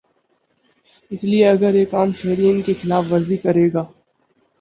اس لیے اگر ایک عام شہری ان کی خلاف ورزی کرے گا۔